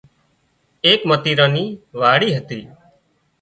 ايڪ متيران نِي واڙي هتي